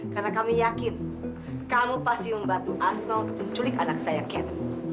karena kami yakin kamu pasti membantu asma untuk menculik anak saya ken